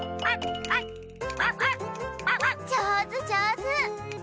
じょうずじょうず！